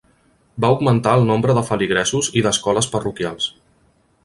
Va augmentar el nombre de feligresos i d'escoles parroquials.